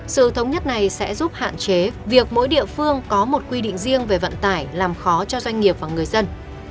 sự thống nhất này sẽ giúp hạn chế việc mỗi địa phương có một quy định riêng về vận tải làm khó cho doanh nghiệp và người dân